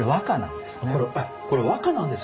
えっこれ和歌なんですか？